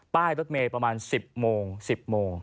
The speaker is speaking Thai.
ป้ายรถเมศประมาณ๑๐โมง